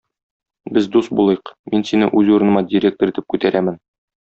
Без дус булыйк, мин сине үз урыныма директор итеп күтәрәмен.